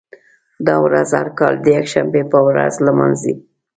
دا ورځ هر کال د یکشنبې په ورځ لمانځي.